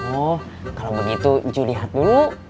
oh kalau begitu ju lihat dulu